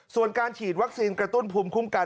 ส่วนการฉีดวัคซีนกระตุ้นภูมิคุ้มกัน